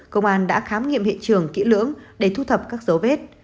công an đã khám nghiệm hiện trường kỹ lưỡng để thu thập các dấu vết